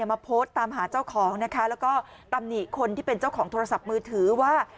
มาโพสต์ตามหาเจ้าของนะคะแล้วก็ตำหนิคนที่เป็นเจ้าของโทรศัพท์มือถือว่า